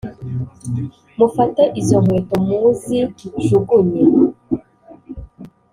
Mufate izo nkweto muzi jugunye